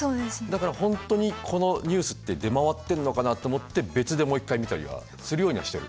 だから本当にこのニュースって出回ってんのかなと思って別でもう一回見たりはするようにはしてる。